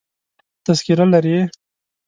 تذکره لرې؟